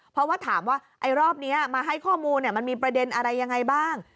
เพราะว่าถามว่าไอ้รอบนี้มาให้ข้อมูลมันมีประเด็นอะไรยังไงบ้าง